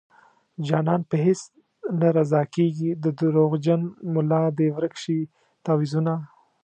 جانان په هيڅ نه رضا کيږي د دروغجن ملا دې ورک شي تعويذونه